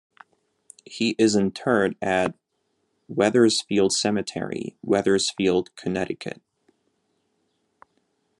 He is interred at Wethersfield Cemetery, Wethersfield, Connecticut.